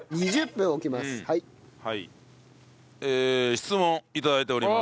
質問頂いております。